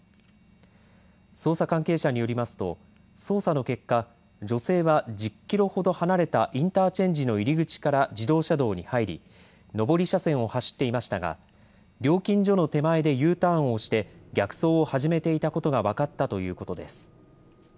捜査関係者によりますと捜査の結果、女性は１０キロほど離れたインターチェンジの入り口から自動車道に入り上り車線を走っていましたが料金所の手前でＵターンをして逆走を始めていたことが分かったということです。